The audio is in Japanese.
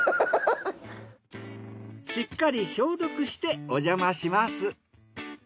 しっかり消毒しておじゃまします。